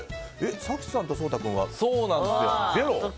早紀さんと颯太君はゼロ。